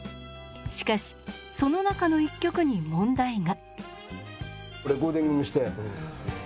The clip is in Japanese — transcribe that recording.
しかしその中の１曲に問題が。